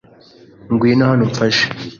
Ngwino hano umfashe.